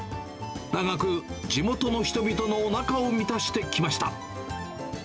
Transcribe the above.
長く地元の人々のおなかを満たしてきました。